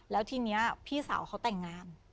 แล้วทีนี้พี่สาวเขาแต่งงาน